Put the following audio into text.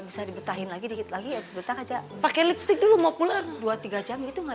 bisa dibetahin lagi dikit lagi ya dibetah aja pakai lipstick dulu mau pulang dua tiga jam itu nggak